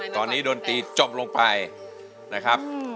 ตอนนี้ดนตรีจบลงไปนะครับ